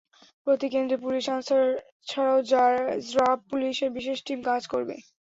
প্রতি কেন্দ্রে পুলিশ, আনসার ছাড়াও র্যাব পুলিশের বিশেষ টিম কাজ করবে।